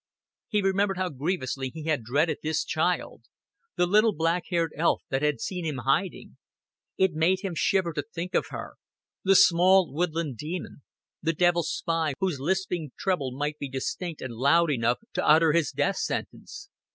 He remembered how grievously he had dreaded this child the little black haired elf that had seen him hiding. It had made him shiver to think of her the small woodland demon, the devil's spy whose lisping treble might be distinct and loud enough to utter his death sentence.